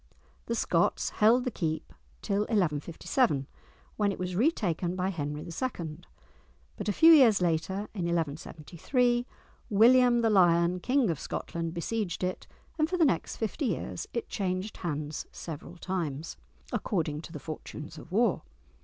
The Scots held the keep till 1157, when it was retaken by Henry II., but a few years later, in 1173, William the Lion, King of Scotland, besieged it, and for the next fifty years it changed hands several times, according to the fortunes of war.